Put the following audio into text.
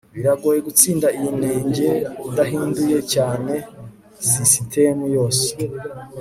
Biragoye gutsinda iyi nenge udahinduye cyane sisitemu yose